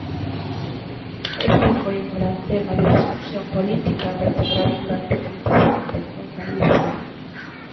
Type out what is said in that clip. Este foi un gran tema de discusión política vertebrado durante moitísimo tempo en Galicia.